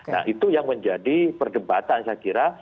nah itu yang menjadi perdebatan saya kira